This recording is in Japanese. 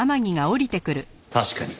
確かに。